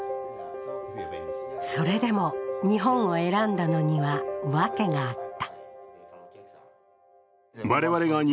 それでも日本を選んだのにはわけがあった。